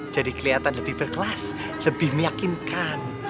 jadi kelihatan lebih berkelas lebih meyakinkan